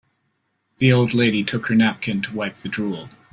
The old lady took her napkin to wipe the drool.